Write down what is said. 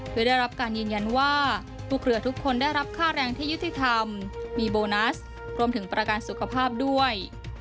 โดยได้รับการยืนยันว่าพวกเรือทุกคนได้รับค่าแรงที่ยุติธรรมมีโบนัสรวมถึงประกันสุขภาพด้วย